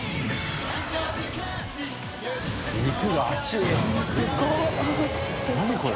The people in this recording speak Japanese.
肉が厚い。